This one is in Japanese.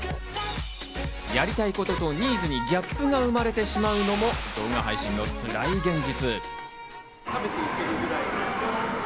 やりたいこととニーズにギャップが生まれてしまうのも動画配信のつらい現実。